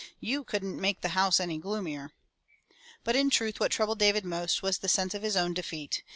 You couldn't make the house any gloomier." But in truth what troubled David most was the sense of his own defeat.